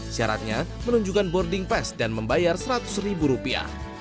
syaratnya menunjukkan boarding pass dan membayar seratus ribu rupiah